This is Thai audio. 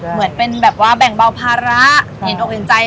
เหมือนเป็นแบบว่าแบ่งเบาภาระเห็นอกเห็นใจ